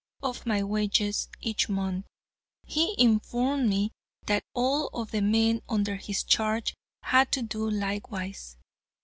of my wages each month. He informed me that all of the men under his charge had to do likewise.